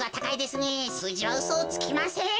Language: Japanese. すうじはうそをつきません。